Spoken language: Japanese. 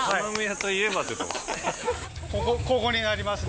ここになりますね。